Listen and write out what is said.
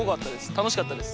たのしかったです。